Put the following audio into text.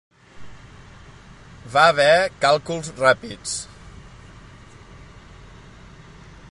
Va ver càlculs ràpids.